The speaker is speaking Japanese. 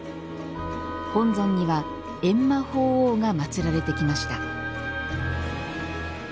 本尊には閻魔法王が祭られてきました。